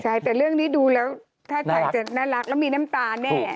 ใช่แต่เรื่องนี้ดูแล้วถ้าชายจะน่ารักแล้วมีน้ำตาแน่